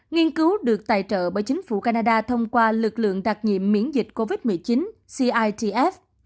nghiên cứu được tài trợ bởi chính phủ canada thông qua lực lượng đặc nhiệm miễn dịch covid một mươi chín citf